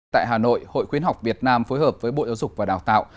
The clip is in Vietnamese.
tại hà nội hội khuyến học việt nam phối hợp với bộ giáo dục và đào tạo